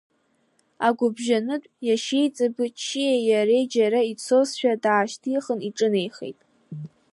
Агәыбжьанытә, иашьеиҵбы ччиеи иареи џьара ицошәа даашьҭихын иҿынеихеит.